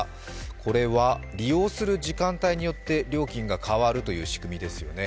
これは利用する時間帯によって料金が変わるという仕組みですよね。